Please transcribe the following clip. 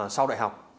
sau đại học